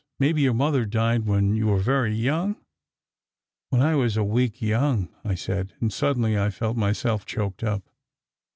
Maybe your mother died when you were very young? " "When I was a week young," I said, and suddenly I felt myself choked up.